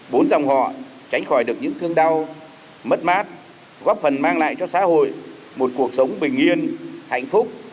bốn dòng họ tránh khỏi được những thương đau mất mát góp phần mang lại cho xã hội một cuộc sống bình yên hạnh phúc